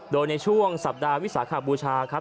โดยในช่วงสัปดาห์วิสาขบูชาครับ